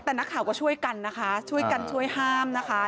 แต่นักข่าวก็ช่วยกันนะคะช่วยกันช่วยห้ามนะคะ